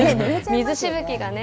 水しぶきがね。